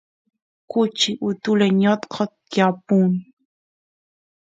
kuchi utula ñotqo tiyapun